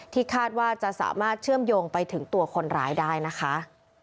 คาดว่าจะสามารถเชื่อมโยงไปถึงตัวคนร้ายได้นะคะ